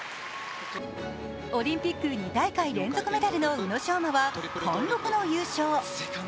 オリンピック２大会連続メダルの宇野昌磨は貫禄の優勝。